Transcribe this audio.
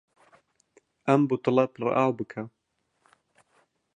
ئەم بوتڵە پڕ ئاو بکە.